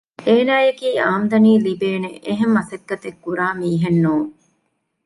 އޭނާއަކީ އާމްދަނީ ލިބޭނެ އެހެން މަސައްކަތެއް ކުރާ މީހެއް ނޫން